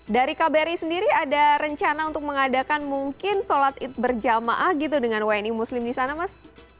dari kbri sendiri ada rencana untuk mengadakan mungkin sholat id berjamaah gitu dengan wni muslim di sana mas